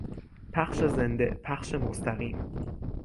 پخش زنده، پخش مستقیم